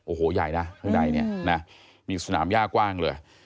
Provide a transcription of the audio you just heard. โอ้โหใหญ่นะข้างในเนี่ยนะมีสนามย่ากว้างเลย